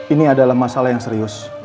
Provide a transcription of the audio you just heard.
ini adalah masalah yang serius